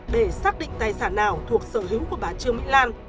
để xác định tài sản nào thuộc sở hữu của bà trương mỹ lan